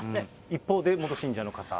一方で元信者の方。